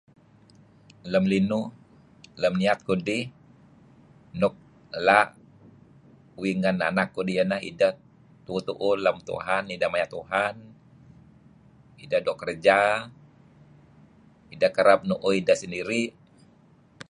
Lam linuh, lam niat kudi' nuk laak uih inan anak kudi uih tuuh lam Tuhan, maya' Tuhan ideh doo' kerja idah kereb nuuh ideh sendiri'.